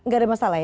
gak ada masalah ya